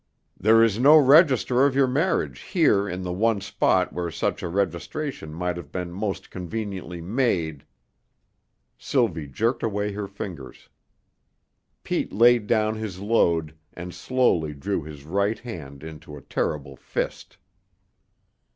There is no register of your marriage here in the one spot where such a registration might have been most conveniently made " Sylvie jerked away her fingers; Pete laid down his load and slowly drew his right hand into a terrible fist.